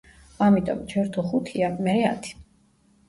ამიტომ, ჯერ თუ ხუთია, მერე — ათი.